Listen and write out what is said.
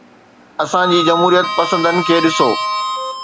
اسان جي جمهوريت پسندن کي ڏسو.